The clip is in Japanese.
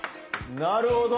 なるほど。